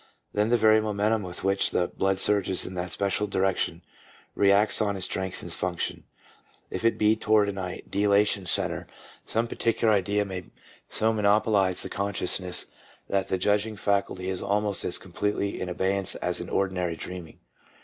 Then the very momentum with which the blood surges in that special direction reacts on and strengthens function. If it be toward an ideational centre, some particular idea may so monopolize the consciousness that the judging faculty is almost as completely in abeyance as in ordinary dreaming."